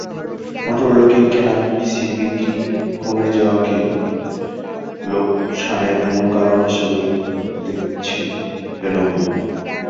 মটোরোলাকে কেনা, পিসির বিক্রি কমে যাওয়াকে লোকসানের মূল কারণ হিসেবে দেখছে লেনোভো।